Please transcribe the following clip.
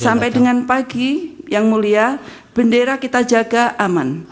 sampai dengan pagi yang mulia bendera kita jaga aman